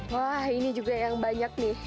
wah ini juga yang banyak nih